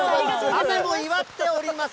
雨も祝っております。